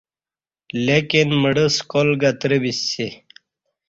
لیکن مڑہ سکال گترہ بسی